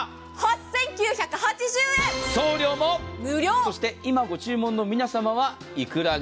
そして今ご注文の皆様はいくらが。